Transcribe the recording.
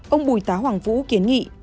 ông bùi tá hoàng vũ kiến nghị